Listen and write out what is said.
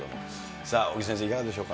さあ尾木先生、いかがでしょうか。